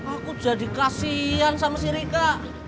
aku jadi kasian sama si rika